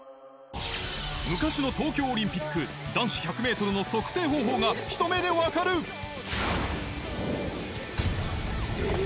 昔の東京オリンピック男子１００ｍの測定方法がひと目でわかる‼え！